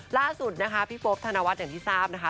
ล่าสุดนะคะพี่โป๊ปธนวัฒน์อย่างที่ทราบนะคะ